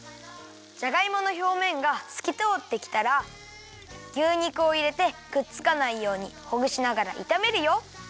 じゃがいものひょうめんがすきとおってきたら牛肉をいれてくっつかないようにほぐしながらいためるよ。